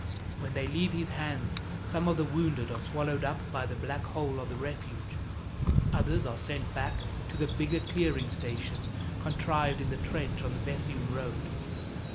When they leave his hands, some of the wounded are swallowed up by the black hole of the Refuge; others are sent back to the bigger clearing station contrived in the trench on the Bethune road.